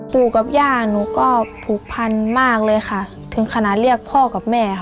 ปู่กับย่าหนูก็ผูกพันมากเลยค่ะถึงขนาดเรียกพ่อกับแม่ค่ะ